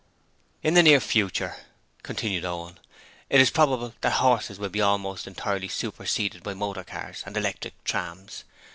'In the near future,' continued Owen, 'it is probable that horses will be almost entirely superseded by motor cars and electric trams.